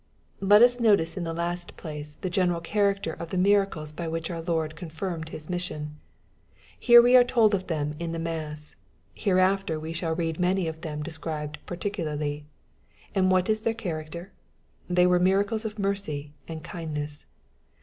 Let us notice in the last place the general character of Oie miracles by which our Lord confirmed His mission. Here we are told of them in the mass. Hereafter we shall read many of them described particularly. And what is their character ? They were miracles of mercy and kindness.